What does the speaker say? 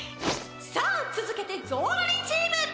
さあつづけてゾーロリチーム！